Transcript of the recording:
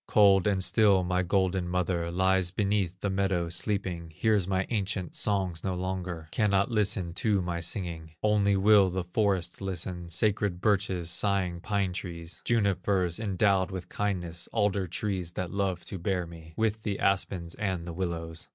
Cold and still my golden mother Lies beneath the meadow, sleeping, Hears my ancient songs no longer, Cannot listen to my singing; Only will the forest listen, Sacred birches, sighing pine trees, Junipers endowed with kindness, Alder trees that love to bear me, With the aspens and the willows.